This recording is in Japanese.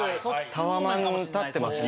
タワマン建ってますね。